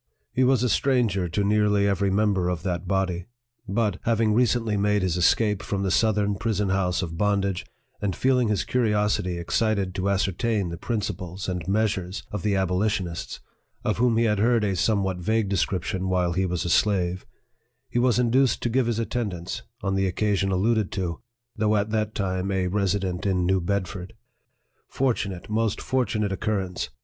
He was a stranger to nearly every member of that body ; but, having recently made his escape from the southern prison house of bondage, and feeling his curiosity ex cited to ascertain the principles and measures of the abolitionists, of whom he had heard a somewhat vague description while he was a slave, he was in duced to give his attendance, on the occasion alluded to, though at that time a resident in New Bedford. Fortunate, most fortunate occurrence